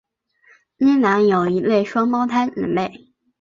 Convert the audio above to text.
基南有一个双胞胎姊妹。